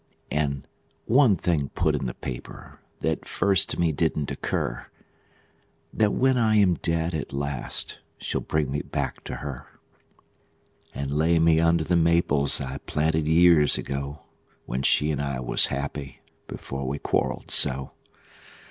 And one thing put in the paper, that first to me didn't occur: That when I am dead at last she'll bring me back to her; And lay me under the maples I planted years ago, When she and I was happy before we quarreled so.